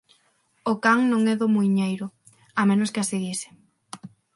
O can non é do muiñeiro, a menos que a seguise.